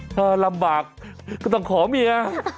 ถ้าลำบากก็ต้องขอเมีย